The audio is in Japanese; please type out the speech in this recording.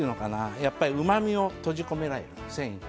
やっぱりうまみを閉じ込めない繊維に。